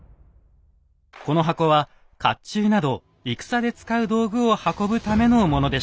この箱は甲冑など戦で使う道具を運ぶためのものでした。